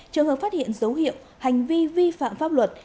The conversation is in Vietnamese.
trường hợp phát hiện dấu hiệu hành vi vi phạm pháp luật